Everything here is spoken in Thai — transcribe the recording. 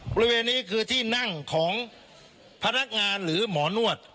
บริเวณนี้คือที่นั่งของพนักงานหรือหมอนวด